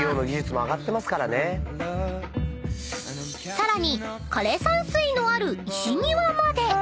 ［さらに枯山水のある石庭まで］